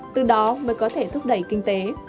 từ đó mới có thể thúc đẩy kinh tế